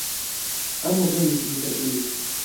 Amo venis inter ili.